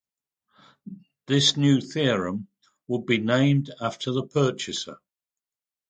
This new theorem would be named after the purchaser.